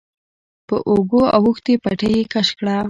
په اوږو اوښتې پټۍ يې کش کړه.